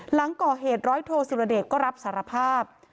หลังก่อเหตุร้อยโทสุรเดชก็รับสารภาพ